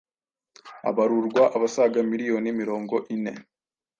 Habarurwa abasaga miliyoni mirongo ine